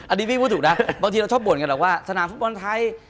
อันนี้พี่พูดถูกนะบางทีเราชอบบ่นกันหรอกว่าสนามฟุตบอลไทย